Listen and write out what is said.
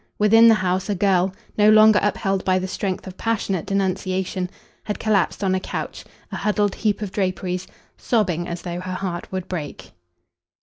Within the house a girl, no longer upheld by the strength of passionate denunciation, had collapsed on a couch, a huddled heap of draperies, sobbing as though her heart would break.